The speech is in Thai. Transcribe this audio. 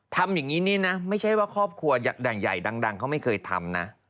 ทำอย่างนี้นี่นะไม่ใช่ว่าครอบครัวใหญ่ดังเขาไม่เคยทำนะ